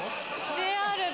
ＪＲで。